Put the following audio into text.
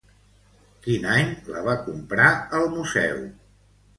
Quin any la va comprar el museu?